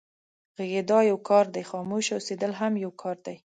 غږېدا يو کار دی، خاموشه اوسېدل هم يو کار دی.